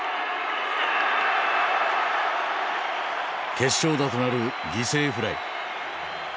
決勝打となる犠牲フライ。